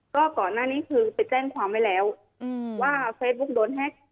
ก็ก่อนหน้านี้คือไปแจ้งความไว้แล้วว่าเฟซบุ๊กโดนแฮ็ก